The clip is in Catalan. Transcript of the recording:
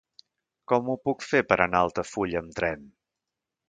Com ho puc fer per anar a Altafulla amb tren?